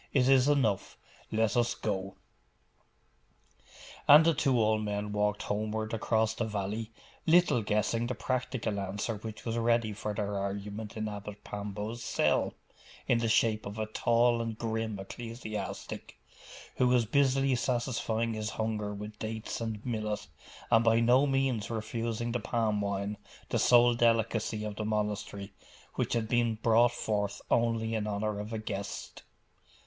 It is enough. Let us go.' And the two old men walked homeward across the valley, little guessing the practical answer which was ready for their argument in Abbot Pambo's cell, in the shape of a tall and grim ecclesiastic, who was busily satisfying his hunger with dates and millet, and by no means refusing the palm wine, the sole delicacy of the monastery, which had been brought forth only in honour of a guest.